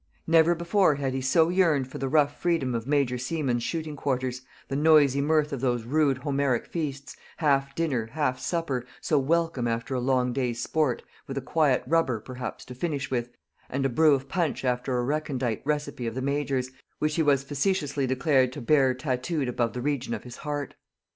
Never before had he so yearned for the rough freedom of Major Seaman's shooting quarters, the noisy mirth of those rude Homeric feasts, half dinner, half supper, so welcome after a long day's sport, with a quiet rubber, perhaps, to finish with, and a brew of punch after a recondite recipe of the Major's, which he was facetiously declared to bear tattooed above the region of his heart.